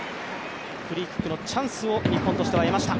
フリーキックのチャンスを日本としては出ました。